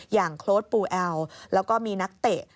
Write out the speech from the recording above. โค้ดปูแอลแล้วก็มีนักเตะ